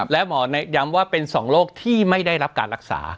และหมอย้ำว่าเป็น๒โรคที่ไม่ได้รับการรักษา